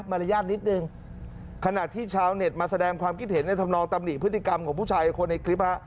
มารยาทนิดนึงขณะที่ชาวเน็ตมาแสดงความคิดเห็นในธรรมนองตำหนิพฤติกรรมของผู้ชายคนในคลิปฮะ